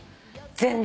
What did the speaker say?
全然。